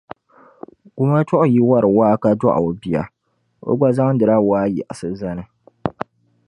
Gumachuɣu yi wari waa ka dɔɣi o bia, o gba zaŋdila waa yiɣisi zani.